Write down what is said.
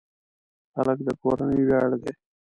هلک د کورنۍ ویاړ دی.